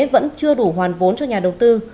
vẫn chưa đủ hoàn vốn cho nhà đầu tư